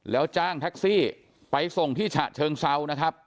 แล้วจ้างแท็กซี่ไปส่งที่ฉะเชิงเซานะครับ